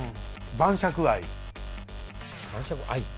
晩酌愛？